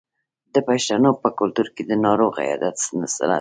د پښتنو په کلتور کې د ناروغ عیادت سنت دی.